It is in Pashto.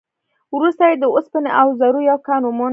وروسته يې د اوسپنې او زرو يو کان وموند.